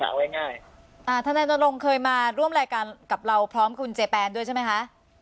นะไงถ้าแนลงเขียนมาร่วมแรกก่อนกับเราพร้อมคุณเจแปนด้วยใช่ไหมฮะ